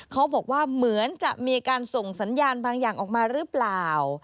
เขาบอกว่าเหมือนจะมีการส่งสัญญาณบางอย่างออกมาหรือเปล่า